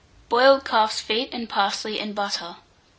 BOILED CALF'S FEET AND PARSLEY AND BUTTER.